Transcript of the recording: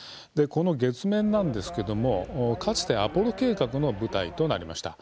月面なんですけれども、かつてアポロ計画の舞台となりました。